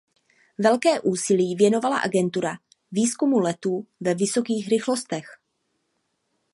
Velké úsilí věnovala agentura výzkumu letů ve vysokých rychlostech.